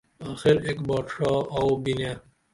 آخر ایک باٹ ڜا آو بینے